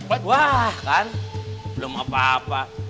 wah kan belum apa apa